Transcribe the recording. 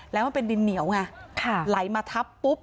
แล้วมันเป็นดินเหนียวไงไหลมาทับปุ๊บ